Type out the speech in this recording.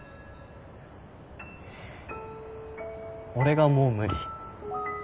俺がもう無理。